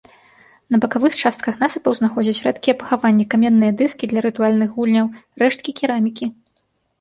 На бакавых частках насыпаў знаходзяць рэдкія пахаванні, каменныя дыскі для рытуальных гульняў, рэшткі керамікі.